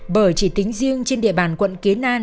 bởi chỉ tính riêng trên địa bàn quận kiến an